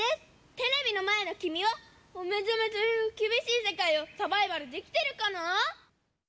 テレビのまえのきみはおめざめというきびしいせかいをサバイバルできてるかな？